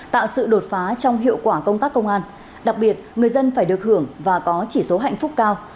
tạo sự đột phá trong hiệu quả công tác công an đặc biệt người dân phải được hưởng và có chỉ số hạnh phúc cao